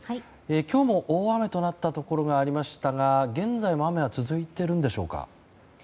今日も大雨となったところがありましたが現在も雨は続いているんでしょうか。